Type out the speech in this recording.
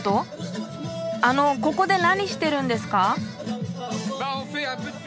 あのここで何してるんですか？